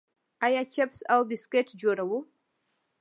آیا چپس او بسکټ جوړوو؟